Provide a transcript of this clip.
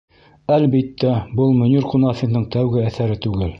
Әлбиттә, был Мөнир Ҡунафиндың тәүге әҫәре түгел.